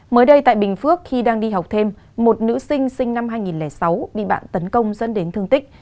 mới đây tại bình phước khi đang đi học thêm một nữ sinh năm hai nghìn sáu bị bạn tấn công dẫn đến thương tích